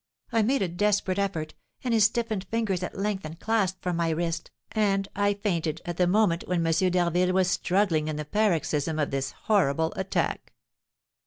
I made a desperate effort, and his stiffened fingers at length unclasped from my wrist, and I fainted at the moment when M. d'Harville was struggling in the paroxysm of this horrible attack.